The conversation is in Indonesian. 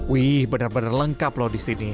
wih benar benar lengkap loh di sini